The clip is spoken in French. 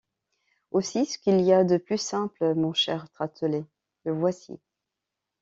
Aussi, ce qu’il y a de plus simple, mon cher Tartelett, le voici.